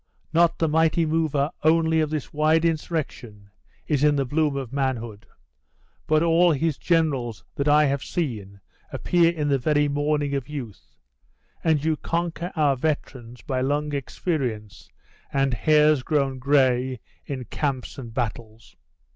Not the mighty mover only of this wide insurrection is in the bloom of manhood, but all his general that I have seen appear in the very morning of youth! And you conquer our veterans; by long experience, and hairs grown gray in camps and battles!"